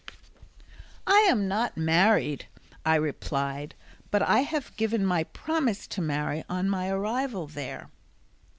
"I am not married," I replied, "but I have given my promise to marry on my arrival there."